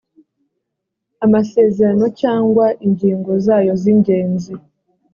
amasezerano cyangwa ingingo zayo z ingenzi